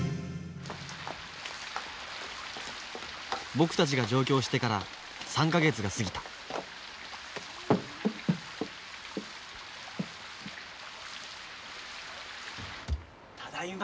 僕たちが上京してから３か月が過ぎたただいま。